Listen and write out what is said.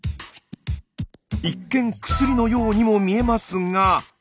一見薬のようにも見えますが。